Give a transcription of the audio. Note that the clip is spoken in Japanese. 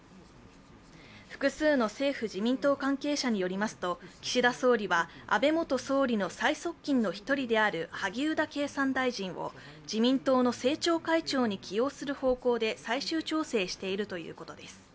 複数の政府・自民党関係者によりますと岸田総理は安倍元総理の最側近の一人である萩生田経産大臣を自民党の政調会長に起用する方向で最終調整しているということです。